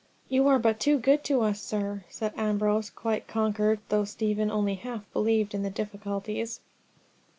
"You are but too good to us, sir," said Ambrose, quite conquered, though Stephen only half believed in the difficulties.